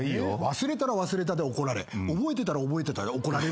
忘れたら忘れたで怒られ覚えてたら覚えてたで怒られる。